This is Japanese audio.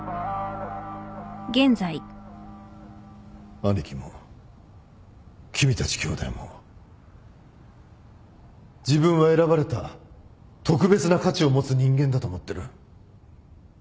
兄貴も君たち兄弟も自分は選ばれた特別な価値を持つ人間だと思っている。